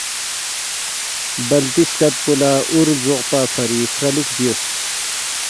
بلتی سکت پو لا وور لزوقپا فری فرالولکھ بیوس۔